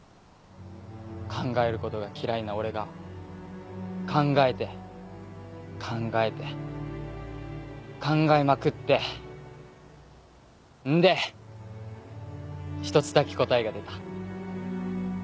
考えることが嫌いな俺が考えて考えて考えまくってんで一つだけ答えが出た。